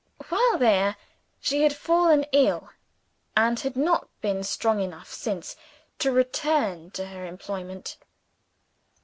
While there, she had fallen ill, and had not been strong enough since to return to her employment.